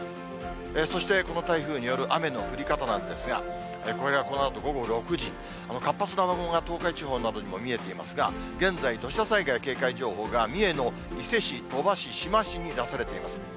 そして、この台風による雨の降り方なんですが、これがこのあと午後６時、活発な雨雲が東海地方などにも見えていますが、現在、土砂災害警戒情報が三重の伊勢市、鳥羽市、志摩市に出されています。